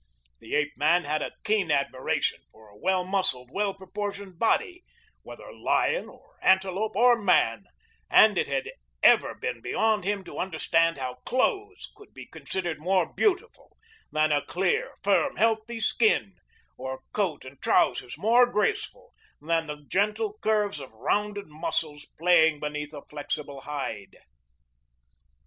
The ape man had a keen admiration for a well muscled, well proportioned body, whether lion, or antelope, or man, and it had ever been beyond him to understand how clothes could be considered more beautiful than a clear, firm, healthy skin, or coat and trousers more graceful than the gentle curves of rounded muscles playing beneath a flexible hide.